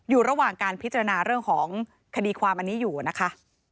อยู่ระหว่างการพิจารณาเรื่องของคดีความอันนี้อยู่นะคะ